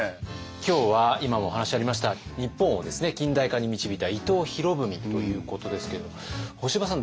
今日は今もお話ありました日本を近代化に導いた伊藤博文ということですけれども干場さん